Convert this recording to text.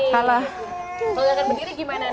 kalau gerakan berdiri gimana